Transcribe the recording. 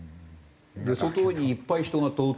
外にいっぱい人が通ってる。